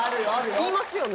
言いますよね？